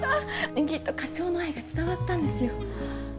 きっと課長の愛が伝わったんですよ。